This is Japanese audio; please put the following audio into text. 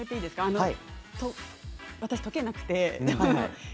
私、解けなくて。